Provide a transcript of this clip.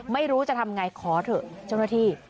ไม่รู้จะทำไงขอเถอะเจ้าหน้าที่